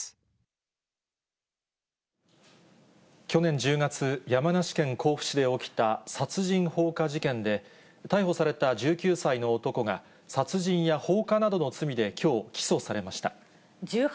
去年１０月、山梨県甲府市で起きた殺人放火事件で、逮捕された１９歳の男が、殺人や放火などの罪で、きょう、起訴されました。